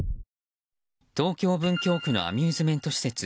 東京・文京区のアミューズメント施設